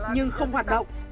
nhưng không hoạt động